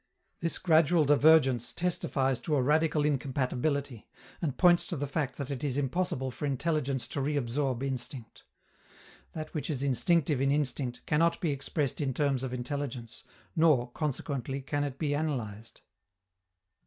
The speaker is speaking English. This gradual divergence testifies to a radical incompatibility, and points to the fact that it is impossible for intelligence to reabsorb instinct. That which is instinctive in instinct cannot be expressed in terms of intelligence, nor, consequently, can it be analyzed.